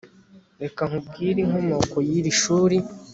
reka nkubwire inkomoko y'iri shuri